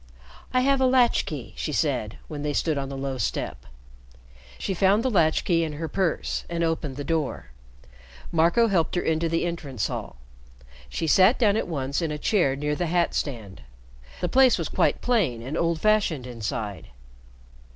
"I have a latch key," she said, when they stood on the low step. She found the latch key in her purse and opened the door. Marco helped her into the entrance hall. She sat down at once in a chair near the hat stand. The place was quite plain and old fashioned inside.